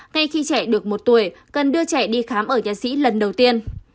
ngay khi trẻ được một tuổi cần đưa trẻ đi khám ở nhà sĩ lần đầu tiên